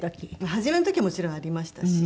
初めの時はもちろんありましたし。